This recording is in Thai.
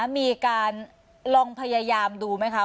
มีการลองพยายามดูไหมคะ